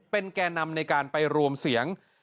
เป็นแก่นำในการไปรวมเสียง